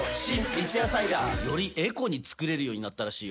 三ツ矢サイダー』よりエコに作れるようになったらしいよ。